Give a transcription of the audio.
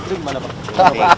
umum hanya boleh